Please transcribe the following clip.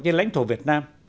trên lãnh thổ việt nam